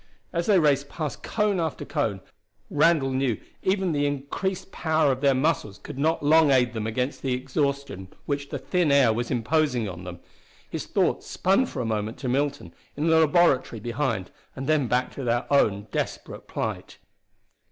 As they raced past cone after cone, Randall knew even the increased power of their muscles could not long aid them against the exhaustion which the thin air was imposing on them. His thoughts spun for a moment to Milton, in the laboratory behind, and then back to their own desperate plight.